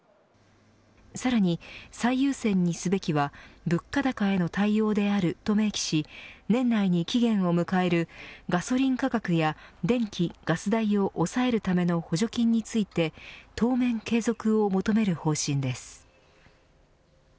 さらに最優先にすべきは物価高への対応であると明記し年内に期限を迎えるガソリン価格や電気・ガス代を抑えるための補助金について当面継続を求める方針です。